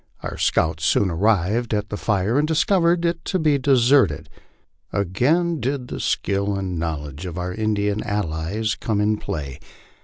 Our scouts soon arrived at the fire, and discovered it to be deserted. Again did the skill and knowledge of our Indian allies come in play.